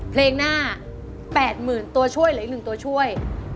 เพลงหน้า๘๐๐๐ตัวช่วยเหลืออีก๑ตัวช่วย